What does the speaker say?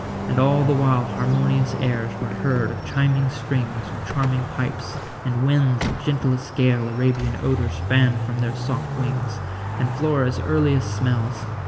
And all the while harmonious airs were heard Of chiming strings or charming pipes; and winds Of gentlest gale Arabian odours fanned From their soft wings, and Flora's earliest smells.